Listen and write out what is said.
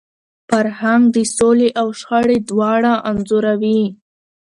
فرهنګ د سولي او شخړي دواړه انځوروي.